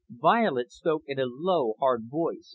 Violet spoke in a low, hard voice.